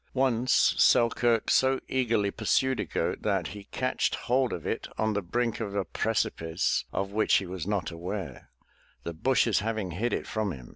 Once Selkirk so eagerly pursued a goat that he catched hold of it on the brink of a precipice of which he was not aware, the bushes having hid it from him.